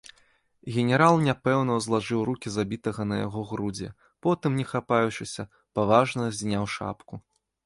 Генерал няпэўна ўзлажыў рукі забітага на яго грудзі, потым, не хапаючыся, паважна зняў шапку.